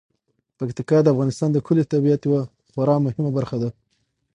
پکتیکا د افغانستان د ښکلي طبیعت یوه خورا مهمه برخه ده.